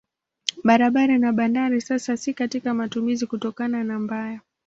Barabara na bandari sasa si katika matumizi kutokana na mbaya.